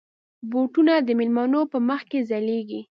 بوټونه د مېلمنو په مخ کې ځلېږي.